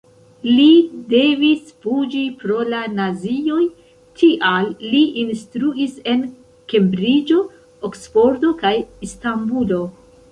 Li devis fuĝi pro la nazioj, tial li instruis en Kembriĝo, Oksfordo kaj Istanbulo.